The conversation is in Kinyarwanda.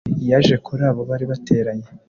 yaje kuri abo bari bateranye.